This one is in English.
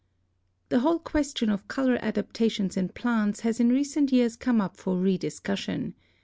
The whole question of color adaptations in plants has in recent years come up for rediscussion.